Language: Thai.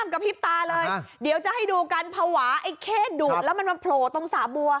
กระพริบตาเลยเดี๋ยวจะให้ดูกันภาวะไอ้เข้ดูดแล้วมันมาโผล่ตรงสระบัว